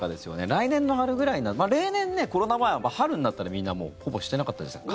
来年の春ぐらい例年、コロナ前は春になったらみんなほぼしてなかったですよね。